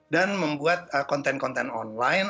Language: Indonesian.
dan membuat konten konten online